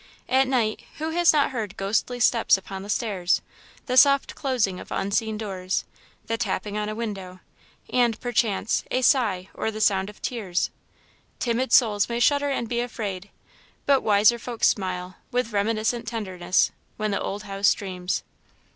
At night, who has not heard ghostly steps upon the stairs, the soft closing of unseen doors, the tapping on a window, and, perchance, a sigh or the sound of tears? Timid souls may shudder and be afraid, but wiser folk smile, with reminiscent tenderness, when the old house dreams.